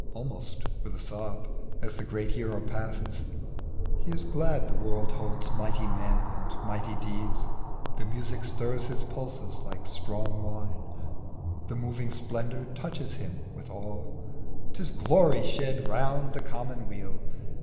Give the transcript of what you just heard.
" almost with a sob, As the great hero passes ; he is glad The world holds mighty men and mighty deeds ; The music stirs his pulses like strong wine, The moving splendor touches him with awe — Tis glory shed around the common weal.